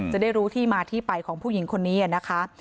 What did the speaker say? จะได้รู้ที่มาที่ไปของผู้หญิงคนนี้นะคะ